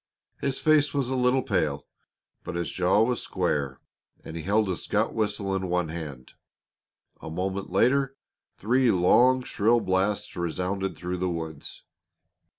His face was a little pale, but his jaw was square and he held a scout whistle in one hand. A moment later three long shrill blasts resounded through the woods.